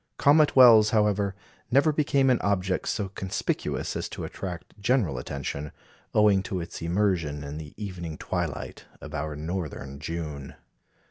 Comet Wells, however, never became an object so conspicuous as to attract general attention, owing to its immersion in the evening twilight of our northern June.